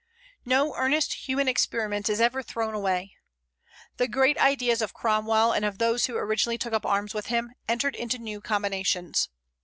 No earnest human experiment is ever thrown away. The great ideas of Cromwell, and of those who originally took up arms with him, entered into new combinations.